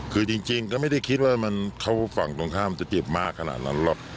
คือจริงก็ไม่ได้คิดว่าเขาฝั่งตรงข้ามจะเจ็บมากขนาดนั้นหรอก